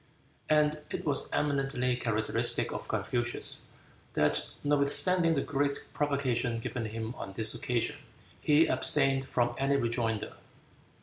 And it was eminently characteristic of Confucius, that notwithstanding the great provocation given him on this occasion, he abstained from any rejoinder.